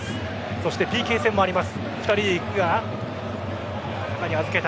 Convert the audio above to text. そしてＰＫ戦もあります。